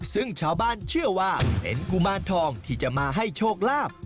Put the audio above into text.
ซึ่งชาวบ้านเชื่อว่าเป็นกุมารทองที่จะมาให้โชคลาภ